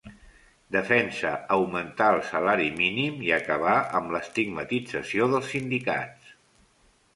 Defensa augmentar el salari mínim i acabar amb l'estigmatització dels sindicats.